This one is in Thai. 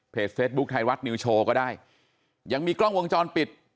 เฟซบุ๊คไทยรัฐนิวโชว์ก็ได้ยังมีกล้องวงจรปิด